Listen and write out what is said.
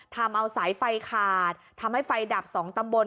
ทำเอาสายไฟขาดทำให้ไฟดับ๒ตำบล